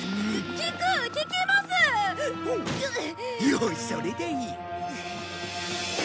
よしそれでいい！